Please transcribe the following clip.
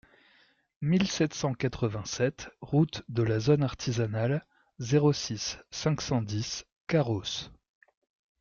mille sept cent vingt-sept route de la Zone Artisanale, zéro six, cinq cent dix Carros